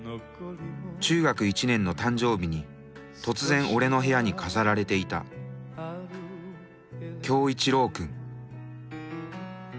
中学１年の誕生日に突然俺の部屋に飾られていた恭一郎訓